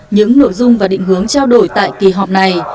những nội dung và định hướng trao đổi tại kỳ họp này